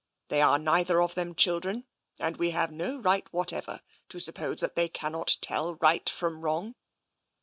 They are neither of them children, and we have no right what ever to suppose that they cannot tell right from wrong."